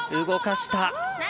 動かした。